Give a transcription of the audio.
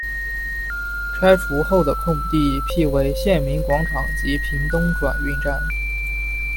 拆除后的空地辟为县民广场及屏东转运站。